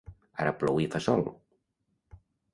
Ara plou i fa sol.